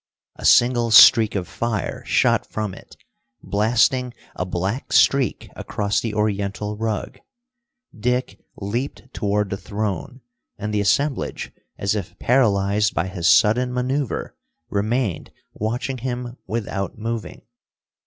A single streak of fire shot from it, blasting a black streak across the Oriental rug. Dick leaped toward the throne, and the assemblage, as if paralyzed by his sudden maneuver, remained watching him without moving.